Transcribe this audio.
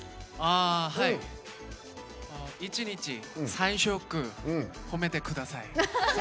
１日３食、褒めてください。